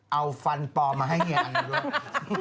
เอาฟันปลอมาให้เหนียวอันนี้ด้วย